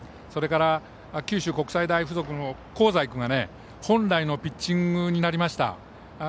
それから、九州国際大付属の香西君が本来のピッチングになりました。